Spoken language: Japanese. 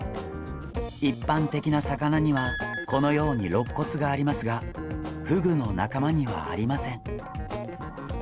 一般的な魚にはこのようにろっ骨がありますがフグの仲間にはありません。